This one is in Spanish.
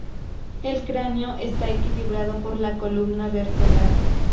El cráneo está equilibrado por la columna vertebral.